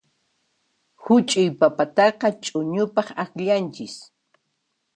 Huch'uy papataqa ch'uñupaq akllanchis.